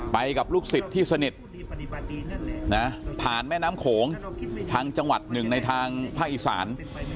กับลูกศิษย์ที่สนิทผ่านแม่น้ำโขงทางจังหวัดหนึ่งในทางภาคอีสาน